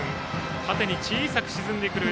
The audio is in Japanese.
縦に小さく沈んでくる。